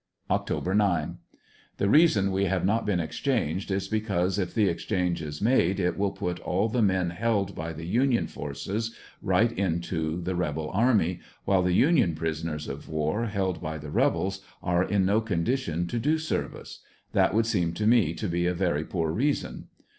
Oct. 9. — The reason we have not been exchanged is because if the exchange is made it will put all the men held by the union forces right into the rebel army, while the union prisoners of war held by the rebels are m no condition to do service; that would seem to me to be a very poor reason.